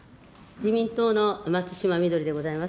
自民党の松島みどりでございます。